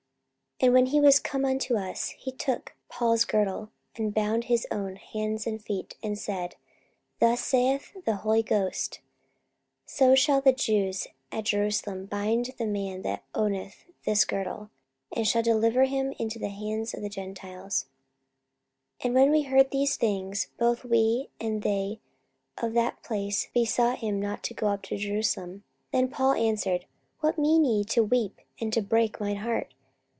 44:021:011 And when he was come unto us, he took Paul's girdle, and bound his own hands and feet, and said, Thus saith the Holy Ghost, So shall the Jews at Jerusalem bind the man that owneth this girdle, and shall deliver him into the hands of the Gentiles. 44:021:012 And when we heard these things, both we, and they of that place, besought him not to go up to Jerusalem. 44:021:013 Then Paul answered, What mean ye to weep and to break mine heart?